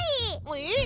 えっ！